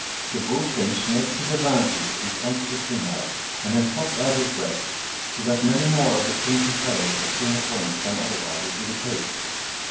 The bullfinch makes his advances in front of the female, and then puffs out his breast, so that many more of the crimson feathers are seen at once than otherwise would be the case.